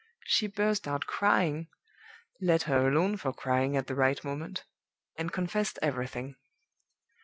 She burst out crying (let her alone for crying at the right moment!) and confessed everything.